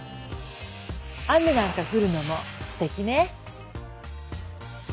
雨なんか降るのもすてきね。